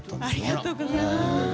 ありがとうございます！